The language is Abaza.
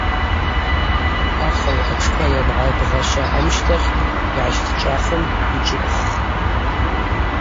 Ахыгӏв атшква йангӏарбгъашва амщтахь йгӏащтӏчӏвахын йджвыквххтӏ.